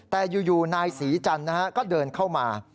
แต่อยู่นายศรีจันทร์ก็เดินเข้ามา